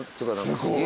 すげえ。